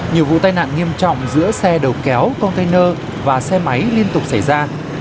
nhiều vụ tai nạn nghiêm trọng giữa xe đầu kéo container và xe máy liên tục xảy ra